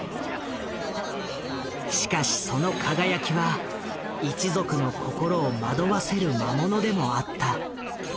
しかしその輝きは一族の心を惑わせる魔物でもあった。